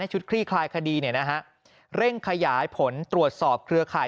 คลี่คลายคดีเนี่ยนะฮะเร่งขยายผลตรวจสอบเครือข่าย